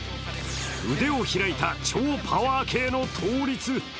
腕を開いた超パワー系の倒立。